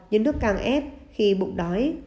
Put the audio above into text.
nhưng nước càng ép khi bụng đói